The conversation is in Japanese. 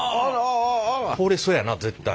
これそやな絶対。